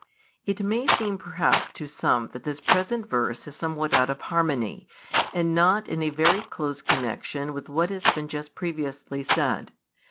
It may seem perhaps to some that this present verse is somewhat out of harmony, and not in a very close connexion with what has been just previously said.